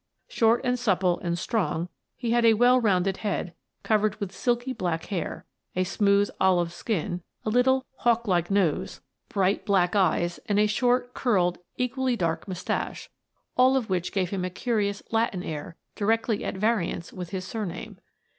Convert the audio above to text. Short and supple and strong, he had a well rounded head, covered with silky, black hair; a smooth olive skin; a little, hawk like nose; bright, black 9 io Miss Frances Baird, Detective eyes, and a short, curled, equally dark moustache — all of which gave him a curious Latin air di rectly at variance with his surname.